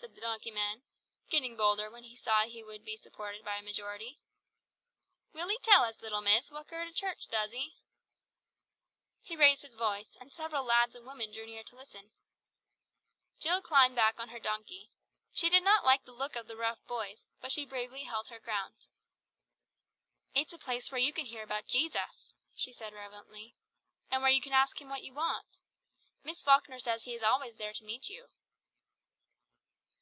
"Now," said the donkey man, getting bolder when he saw he would be supported by a majority; "will 'ee tell us, little miss, what good a church does 'ee?" He raised his voice, and several lads and women drew near to listen. Jill climbed back on her donkey. She did not like the look of the rough boys, but she bravely held her ground. "It's a place where you can hear about Jesus," she said reverently, "and where you can ask Him what you want. Miss Falkner says He is always there to meet you."